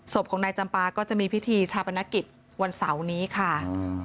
ศพของนายจำปาก็จะมีพิธีชาปนกิจวันเสาร์นี้ค่ะ